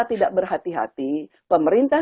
tidak berhati hati pemerintah